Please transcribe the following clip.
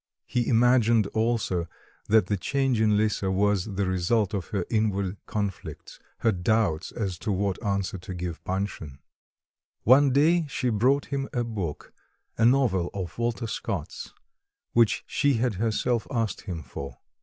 He imagined also that the change in Lisa was the result of her inward conflicts, her doubts as to what answer to give Panshin. One day she brought him a book, a novel of Walter Scott's, which she had herself asked him for.